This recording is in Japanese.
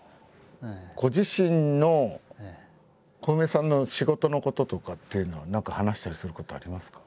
ご自身のコウメさんの仕事のこととかっていうのは何か話したりすることありますか？